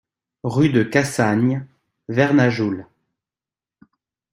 Rue de Cassagne, Vernajoul